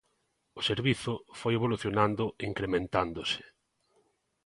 O servizo foi evolucionando e incrementándose.